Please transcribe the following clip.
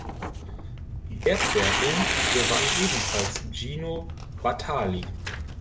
Die Bergwertung gewann ebenfalls Gino Bartali.